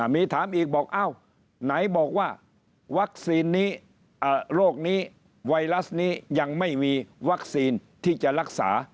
มีถามอีกบอกอ้าวไหนบอกว่าวัคซีนนี้โรคนี้ไวรัสนี้ยังไม่มีวัคซีนที่จะรักษา